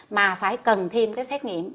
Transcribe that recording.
mà phải cần thêm cái xét nghiệm